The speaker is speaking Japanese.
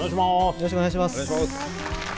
よろしくお願いします。